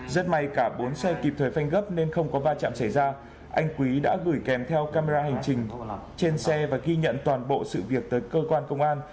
rất may cả bốn xe kịp thời phanh gấp nên không có va chạm xảy ra anh quý đã gửi kèm theo camera hành trình trên xe và ghi nhận toàn bộ sự việc tới cơ quan công an